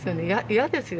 嫌ですよ